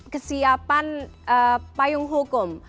kesiapan payung hukum